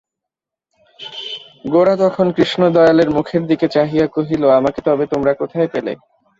গোরা তখন কৃষ্ণদয়ালের মুখের দিকে চাহিয়া কহিল, আমাকে তবে তোমরা কোথায় পেলে?